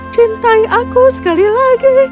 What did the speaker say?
cintai aku sekali lagi